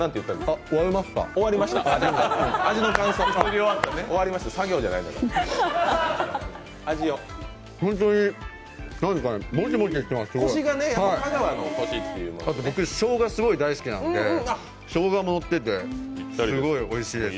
あと、僕、しょうががすごい大好きなんでしょうがものっててすごいおいしいです。